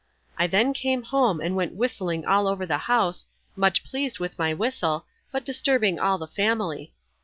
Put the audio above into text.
I then came home, and went whistling all over the house, much pleased with my whistle, but disturbing all the family.